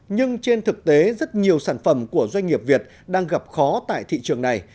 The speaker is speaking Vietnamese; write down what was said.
nhưng trên thực tế rất nhiều sản phẩm của doanh nghiệp việt đang gặp khó tại thị trường này